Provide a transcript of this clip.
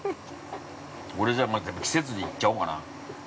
俺、じゃあ、季節でいっちゃおうかな。